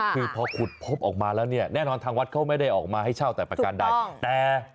คือพอขุดพบออกมาแล้วเนี่ยแน่นอนทางวัดเขาไม่ได้ออกมาให้เช่าแต่ประการใดแต่